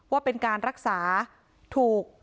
ว่าเป็นการรักษาถูก